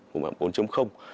của mạng bốn